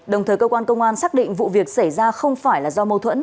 đồng thời cơ quan công an xác định vụ việc xảy ra không phải là do mâu thuẫn